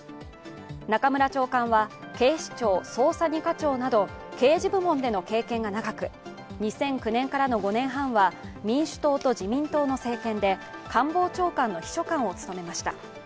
中村長官は警視庁捜査２課長など刑事部門での経験が長く２００９年からの５年半は民主党と自民党の政権で官房長官の秘書官を務めました。